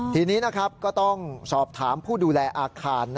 ทีนี้ก็ต้องสอบถามผู้ดูแลอาคาร